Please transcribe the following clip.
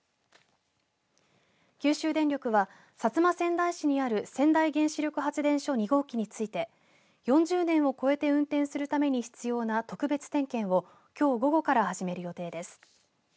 九州電力は薩摩川内市にある川内原子力発電所２号機について４０年を超えて運転するために必要な特別点検をきょう午後から始める予定です。